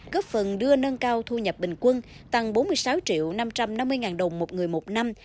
góp phần đưa nâng cao thu nhập bình quân tăng bốn mươi sáu triệu năm trăm năm mươi đồng một người một năm